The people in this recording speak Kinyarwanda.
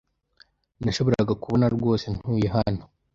Nashoboraga kubona rwose ntuye hano.